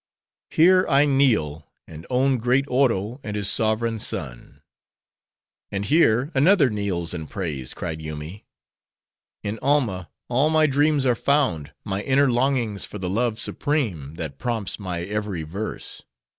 Here I kneel, and own great Oro and his sovereign son." "And here another kneels and prays," cried Yoomy. "In Alma all my dreams are found, my inner longings for the Love supreme, that prompts my every verse.